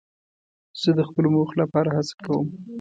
زه د خپلو موخو لپاره هڅه کوم.